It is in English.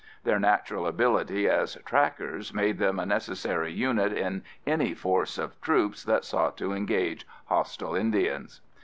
Their natural ability as "trackers" made them a necessary unit in any force of troops that sought to engage hostile Indians.